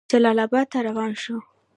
جلال آباد ته روان شو.